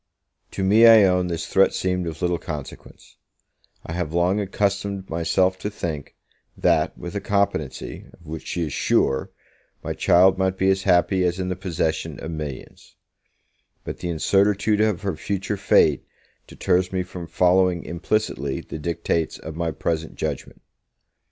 To me, I own, this threat seemed of little consequence; I have long accustomed myself to think, that, with a competency, of which she is sure, my child might be as happy as in the possession of millions; but the incertitude of her future fate deters me from following implicitly the dictates of my present judgement.